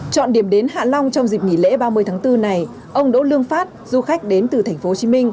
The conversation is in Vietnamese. chọn điểm đến hạ long trong dịp nghỉ lễ ba mươi tháng bốn này ông đỗ lương phát du khách đến từ tp hcm